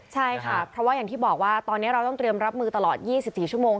ใช่ค่ะเพราะว่าอย่างที่บอกว่าตอนนี้เราต้องเตรียมรับมือตลอด๒๔ชั่วโมง